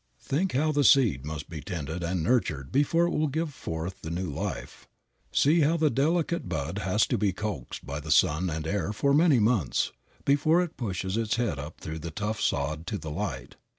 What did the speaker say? Think how the seed must be tended and nurtured before it will give forth the new life. See how the delicate bud has to be coaxed by the sun and air for many months before it pushes its head up through the tough sod to the light.